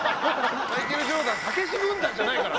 マイケル・ジョーダンたけし軍団じゃないから。